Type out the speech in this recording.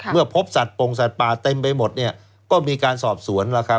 เมื่อพบสัตว์ปลงสัตว์ปลาเต็มไปหมดก็มีการสอบสวน